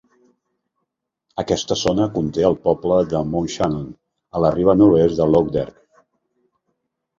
Aquesta zona conté el pobre de Mountshannon a la riba nord-oest de Lough Derg.